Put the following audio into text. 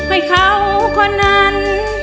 ไม่เข้ากว่านั้น